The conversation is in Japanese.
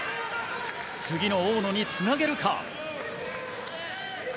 次の大野につなげるか。